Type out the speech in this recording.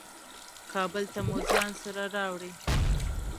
کابل ته مو ځان سره راوړې.